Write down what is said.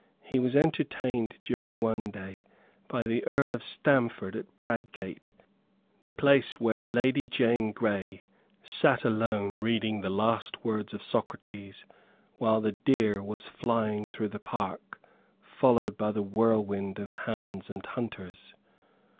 He was entertained during one day by the Earl of Stamford at Bradgate, the place where Lady Jane Grey sate alone reading the last words of Socrates while the deer was flying through the park followed by the whirlwind of hounds and hunters.